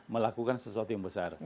melakukan sesuatu yang besar